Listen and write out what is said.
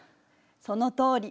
そのとおり。